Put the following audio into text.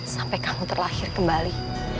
sampai kamu terlahir kembali